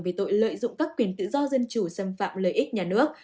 về tội lợi dụng các quyền tự do dân chủ xâm phạm lợi ích nhà nước